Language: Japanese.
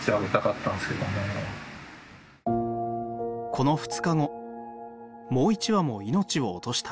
この２日後もう１羽も命を落とした。